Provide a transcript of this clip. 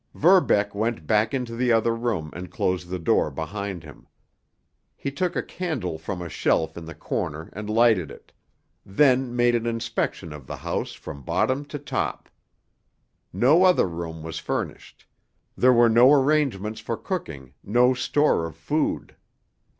Verbeck went back into the other room and closed the door behind him. He took a candle from a shelf in the corner and lighted it, then made an inspection of the house from bottom to top. No other room was furnished; there were no arrangements for cooking, no store of food.